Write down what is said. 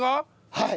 はい。